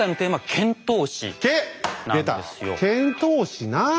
遣唐使な！